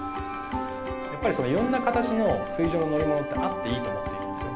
やっぱりいろんな形の水上の乗り物ってあっていいと思っているんです。